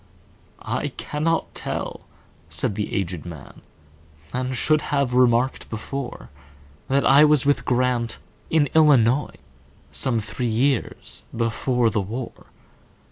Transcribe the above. "I cannot tell," said the aged man,"And should have remarked before, That I was with Grant,—in Illinois,—Some three years before the war."